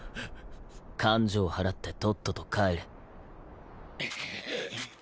勘定払ってとっとと帰れ。